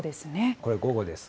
これ午後です。